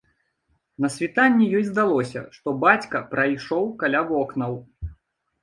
На світанні ёй здалося, што бацька прайшоў каля вокнаў.